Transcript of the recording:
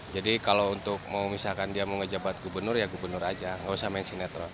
jadi kalau misalkan dia mau menjabat gubernur ya gubernur aja nggak usah main sinetron